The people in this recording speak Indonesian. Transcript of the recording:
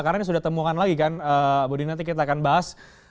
karena ini sudah temukan lagi kan bundi nanti kita akan bahas